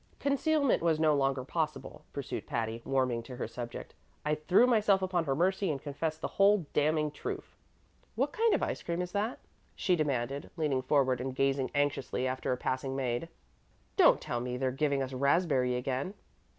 "Concealment was no longer possible," pursued Patty, warming to her subject. "I threw myself upon her mercy and confessed the whole damning truth. What kind of ice cream is that?" she demanded, leaning forward and gazing anxiously after a passing maid. "Don't tell me they're giving us raspberry again!"